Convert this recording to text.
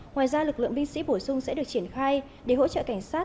ngoài ra lực lượng binh sĩ bổ sung sẽ được triển khai để hỗ trợ cảnh sát